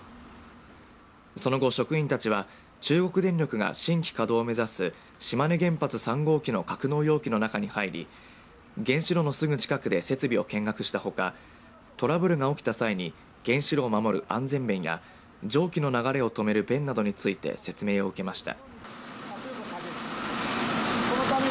その後、職員たちは中国電力が新規稼働を目指す島根原発３号機の格納容器の中に入り原子炉のすぐ近くで設備を見学したほかトラブルが起きた際に原子炉を守る安全弁や蒸気の流れを止める弁などについて説明を受けました。